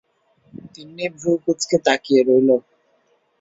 তিন্নি ভ্রূ কুঁচকে তাকিয়ে রইল।